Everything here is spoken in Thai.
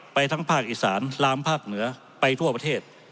ทั้งภาคอีสานลามภาคเหนือไปทั่วประเทศ